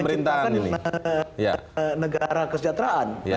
pemerintahan ini adalah negara kesejahteraan